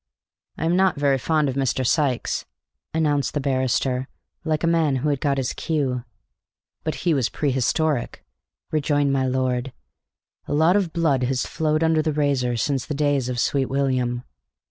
"I am not very fond of Mr. Sikes," announced the barrister, like a man who had got his cue. "But he was prehistoric," rejoined my lord. "A lot of blood has flowed under the razor since the days of Sweet William."